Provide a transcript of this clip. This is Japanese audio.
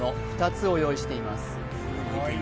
２つを用意しています